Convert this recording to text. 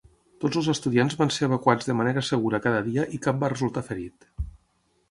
Tots els estudiants van ser evacuats de manera segura cada dia i cap va resultar ferit.